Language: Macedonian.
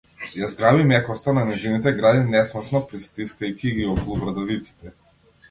Ја зграби мекоста на нејзините гради, несмасно пристискајќи ги околу брадавиците.